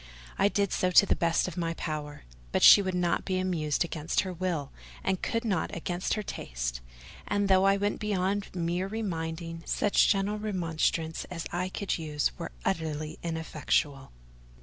I did so to the best of my power: but she would not be amused against her will, and could not against her taste; and though I went beyond mere reminding, such gentle remonstrances as I could use were utterly ineffectual.